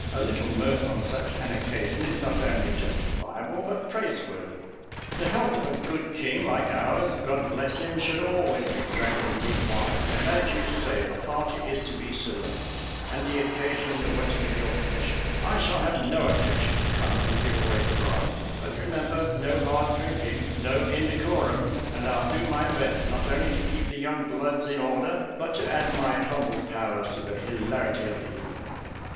A little mirth on such an occasion, is not only justifiable, but praiseworthy. The health of a good king, like ours, God bless him, should always be drank in good wine; and as you say the party is to be select, and the occasion the wetting of your commission, I shall have no objection to come and give away the bride; but, remember, no hard drinking no indecorum and I'll do my best, not only to keep the young bloods in order, but to add my humble powers to the hilarity of the evening."